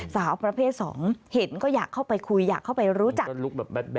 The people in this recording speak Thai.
สาวประเภทสองเห็นก็อยากเข้าไปคุยอยากเข้าไปรู้จัก